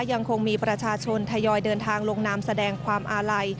ยังคงมีประชาชนทยอยเดินทางลงนามแสดงความอาลัย